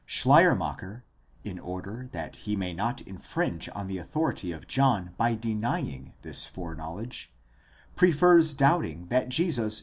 Schleiermacher, in order that he may not infringe on the authority of John by denying this foreknowledge, prefers doubting that Jesus.